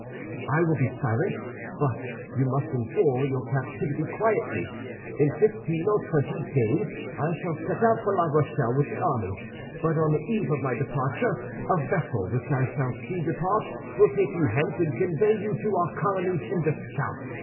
I will be silent, but you must endure your captivity quietly. In fifteen or twenty days I shall set out for La Rochelle with the army; but on the eve of my departure a vessel which I shall see depart will take you hence and convey you to our colonies in the south.